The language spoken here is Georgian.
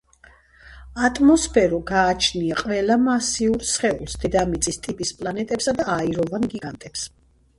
ატმოსფერო გააჩნია ყველა მასიურ სხეულს დედამიწის ტიპის პლანეტებსა და აიროვან გიგანტებს.